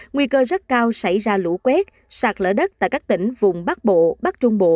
nguy cơ rất cao xảy ra lũ quét sạt lỡ đất tại các tỉnh vùng bắc bộ bắc trung bộ